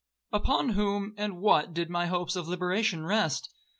Upon whom and what did my hopes of liberation rest?